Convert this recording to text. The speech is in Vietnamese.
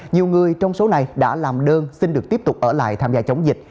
nhiều người trong số này đã làm đơn xin được tiếp tục ở lại tham gia chống dịch